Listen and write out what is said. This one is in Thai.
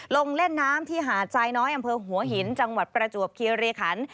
ลงเล่นน้ำที่หาดทรายน้อยอำเภอหัวหินจังหวัดประจวบคีรีขัน